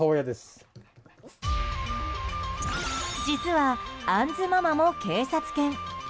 実はアンズママも警察犬。